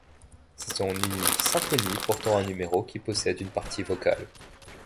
C'est son unique symphonie portant un numéro qui possède une partie vocale.